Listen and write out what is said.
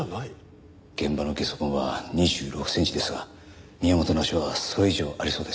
現場のゲソ痕は２６センチですが宮本の足はそれ以上ありそうです。